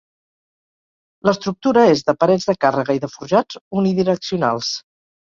L'estructura és de parets de càrrega i de forjats unidireccionals.